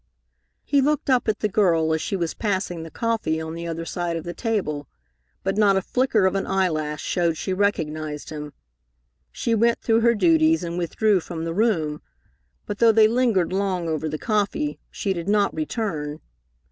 He looked up at the girl as she was passing the coffee on the other side of the table, but not a flicker of an eyelash showed she recognized him. She went through her duties and withdrew from the room, but though they lingered long over the coffee, she did not return.